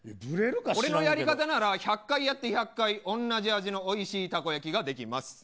俺のやり方なら１００回やって同じ味のたこ焼きができます。